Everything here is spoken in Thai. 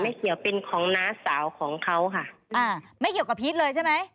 ไม่เกี่ยวเป็นของน้าสาวของเขาค่ะ